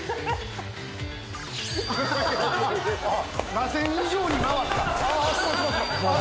らせん以上に回った。